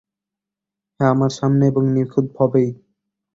হ্যাঁ আমার সামনেই এবং নিখুঁতভাবেই।